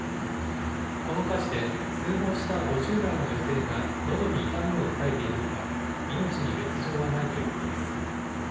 この火事で通報した５０代の女性がのどに痛みを訴えていますが、命に別状はないということです。